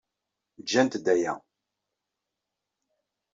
Jjant-d aya.